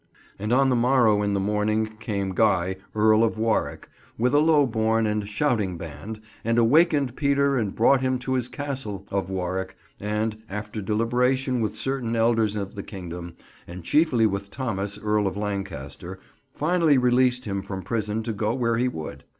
And on the morrow in the morning came Guy, Earl of Warwyk, with a low born and shouting band, and awakened Peter and brought him to his Castle of Warwyk and, after deliberation with certain elders of the kingdom, and chiefly with Thomas, Earl of Lancaster, finally released him from prison to go where he would.